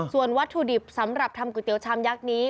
ส่วนวัตถุดิบสำหรับทำก๋วยเตี๋ชามยักษ์นี้